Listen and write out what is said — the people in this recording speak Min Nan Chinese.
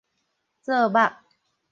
做木